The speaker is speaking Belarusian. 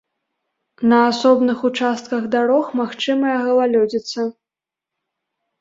На асобных участках дарог магчымая галалёдзіца.